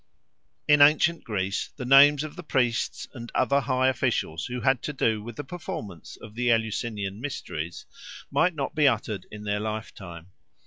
In ancient Greece the names of the priests and other high officials who had to do with the performance of the Eleusinian mysteries might not be uttered in their lifetime.